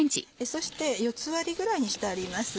そして４つ割りぐらいにしてあります。